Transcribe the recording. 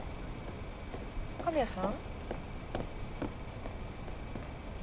神谷さん？